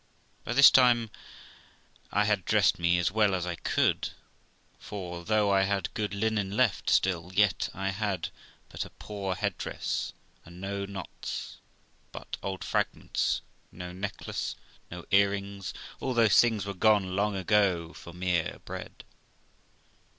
By this time I had dressed ra as well as I could; for though I had good linen left still, yet I had but a poor head dress, and no knots, but old fragments; no necklace, no earrings; all those things were gone long ago for mere bread.